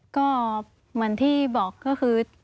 ก็เหมือนที่บอกก็คือ